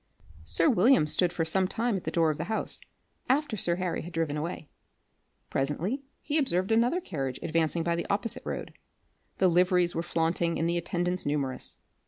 Sir William stood for some time at the door of the house after sir Harry had driven away. Presently he observed another carriage advancing by the opposite road. The liveries were flaunting and the attendants numerous.